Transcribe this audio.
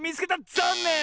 ざんねん！